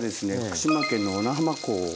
福島県の小名浜港